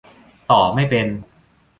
ต่อไม่เป็น